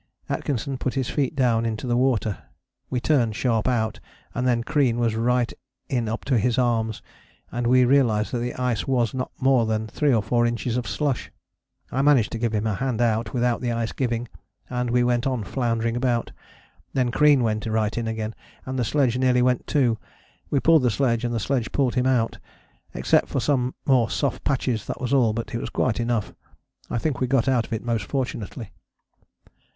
Atkinson put his feet down into water: we turned sharp out, and then Crean went right in up to his arms, and we realized that the ice was not more than three or four inches of slush. I managed to give him a hand out without the ice giving, and we went on floundering about. Then Crean went right in again, and the sledge nearly went too: we pulled the sledge, and the sledge pulled him out. Except for some more soft patches that was all, but it was quite enough. I think we got out of it most fortunately."